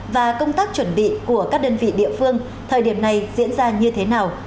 và công tác chuẩn bị của các đơn vị địa phương thời điểm này diễn ra như thế nào